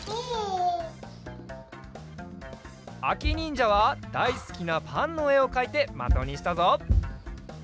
あきにんじゃはだいすきなパンのえをかいてまとにしたぞ。